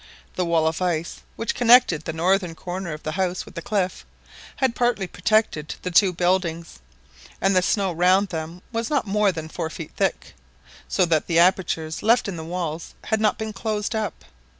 The wall of ice, which connected the northern corner of the house with the cliff, had partly protected the two buildings, and the snow round them was not more than four feet thick, so that the apertures left in the walls had not been closed up.